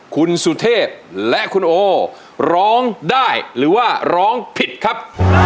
คุณสุเทพและคุณโอร้องได้หรือว่าร้องผิดครับ